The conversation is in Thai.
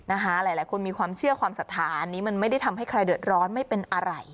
หลายคนมีความเชื่อความศรัทธาอันนี้มันไม่ได้ทำให้ใครเดือดร้อนไม่เป็นอะไร